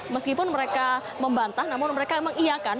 meskipun mereka membantah namun mereka mengiakan